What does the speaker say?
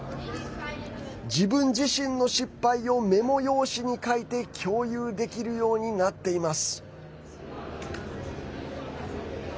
自分自身の失敗をメモ用紙に書いて共有できるようになっています。